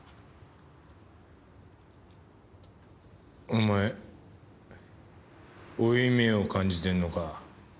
お前負い目を感じてんのか？